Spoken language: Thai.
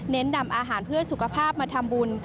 นำอาหารเพื่อสุขภาพมาทำบุญ